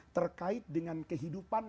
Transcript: terkait dengan kehidupan